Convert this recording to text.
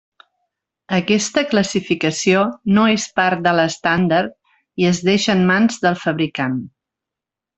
Aquesta classificació no és part de l'estàndard, i es deixa en mans del fabricant.